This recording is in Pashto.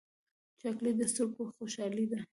چاکلېټ د سترګو خوشحالي ده.